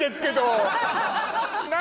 何？